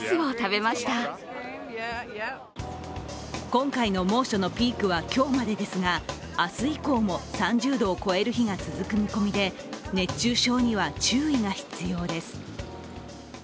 今回の猛暑のピークは今日までですが、明日以降も３０度を超える日が続く見込みで熱中症には注意が必要です。